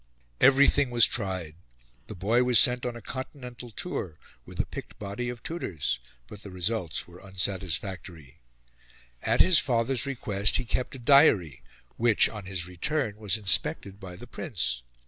Everything was tried. The boy was sent on a continental tour with a picked body of tutors, but the results were unsatisfactory. At his father's request he kept a diary which, on his return, was inspected by the Prince.